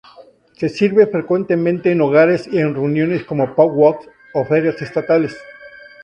Se sirve frecuentemente en hogares y en reuniones como "pow-wows" o ferias estatales.